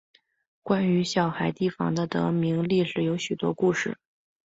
关于小孩堤防的得名历史有许多故事。